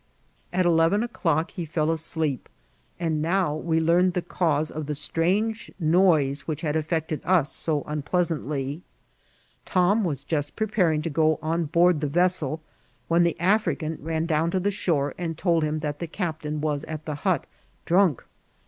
At eleven o'clock he fell asleep, and now we learned the cause of the strange noise which had affected us so unpleasantly. Tom wss just preparing to go on board the vessel, when the Af rican ran down to the Aote and told him that the ciqp tain was at the hut drunk.